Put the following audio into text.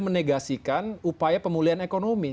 menegasikan upaya pemulihan ekonomi